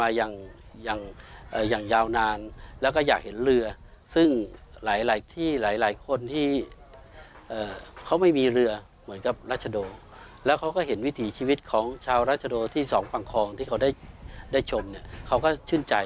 อย่างอย่างยาวนานแล้วก็อยากเห็นเรือซึ่งหลายหลายที่หลายหลายคนที่เขาไม่มีเรือเหมือนกับรัชโดแล้วเขาก็เห็นวิถีชีวิตของชาวรัชโดที่สองปังคองที่เขาได้ได้ชมเนี่ยเขาก็ชื่นใจ